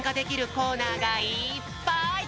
コーナーがいっぱい！